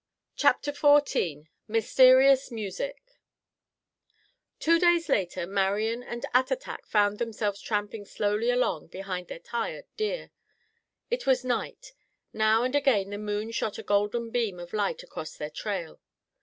CHAPTER XIV MYSTERIOUS MUSIC Two days later Marian and Attatak found themselves tramping slowly along behind their tired deer. It was night. Now and again the moon shot a golden beam of light across their trail.